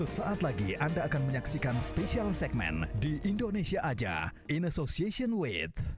sampai jumpa di video selanjutnya